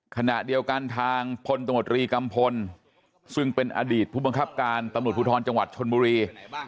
ขณะเดียวกันทางพลตมตรีกัมพลซึ่งเป็นอดีตผู้บังคับการตำรวจภูทรจังหวัดชนบุรี